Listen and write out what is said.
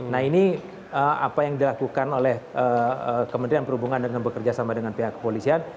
nah ini apa yang dilakukan oleh kementerian perhubungan dengan bekerja sama dengan pihak kepolisian